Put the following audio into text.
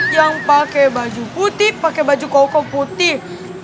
yang pakai baju putih pakai baju koko putih